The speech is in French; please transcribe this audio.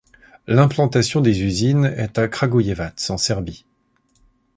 L'implantation des usines est à Kragujevac, en Serbie.